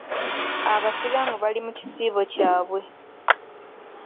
Abasiraamu bali mu kisiibo kyabwe.